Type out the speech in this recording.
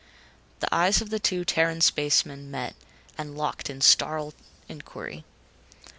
The eyes of the two Terran spacemen met and locked in startled inquiry.